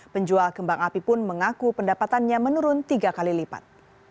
penjual kembang api pun mengaku pendapatannya menurun tiga kali lipat